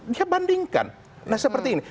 dia bandingkan nah seperti ini